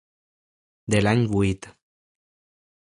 De l'any vuit.